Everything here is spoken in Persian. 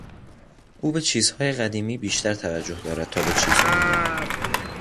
او به چیزهای قدیمی بیشتر توجه دارد تا به چیزهای نو.